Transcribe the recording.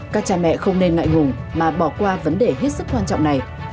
các cha mẹ không nên ngại hùng mà bỏ qua vấn đề hết sức quan trọng này